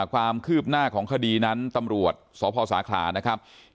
ความคืบหน้าของคดีนั้นตำรวจสพสาขานะครับ